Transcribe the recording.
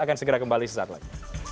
dan segera kembali sesaat lain